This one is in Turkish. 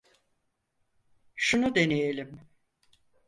Şunu deneyelim.